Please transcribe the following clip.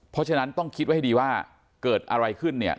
เพราะฉะนั้นต้องคิดไว้ให้ดีว่าเกิดอะไรขึ้นเนี่ย